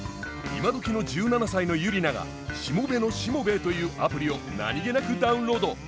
今どきの１７歳のユリナが「しもべのしもべえ」というアプリを何気なくダウンロード。